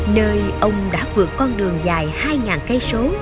nơi ông đã vượt con đường dài hai cây số